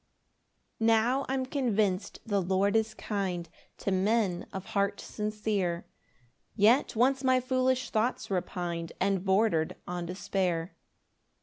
1 Now I'm convinc'd the Lord is kind To men of heart sincere, Yet once my foolish thoughts repin'd And border'd on despair.